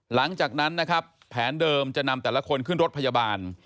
หลังจากนั้นนะครับแผนเดิมจะนำแต่ละคนขึ้นรถพยาบาล